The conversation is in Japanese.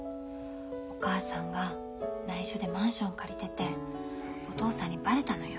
お母さんがないしょでマンション借りててお父さんにバレたのよ。